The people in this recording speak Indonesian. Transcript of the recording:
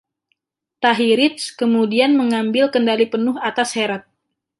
Tahirids kemudian mengambil kendali penuh atas Herat.